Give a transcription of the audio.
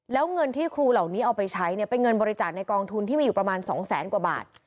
แล้วเงินที่ครูเหล่านี้เอาไปใช้เนี่ยเป็นเงินบริจาคในกองทุนที่มีอยู่ประมาณ๒แสนกว่าบาท